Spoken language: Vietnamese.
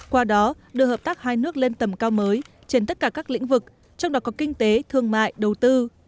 qua đó đưa hợp tác hai nước lên tầm cao mới trên tất cả các lĩnh vực trong đó có kinh tế thương mại đầu tư